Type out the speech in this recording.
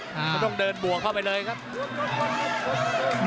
มันต้องเดินบวกเข้าไปเลยครับ